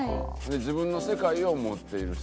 「自分の世界を持っている人」